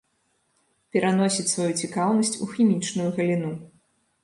Пераносіць сваю цікаўнасць у хімічную галіну.